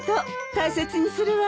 大切にするわね。